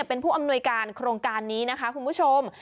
เป็นผู้อำนวยการโครงการนี้นะคะคุณผู้ชม